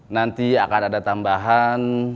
nanti akan ada tambahan